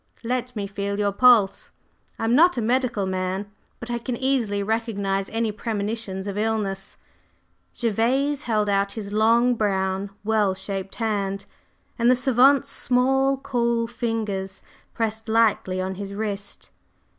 Let me feel your pulse; I am not a medical man but I can easily recognize any premonitions of illness." Gervase held out his long, brown, well shaped hand, and the savant's small, cool fingers pressed lightly on his wrist.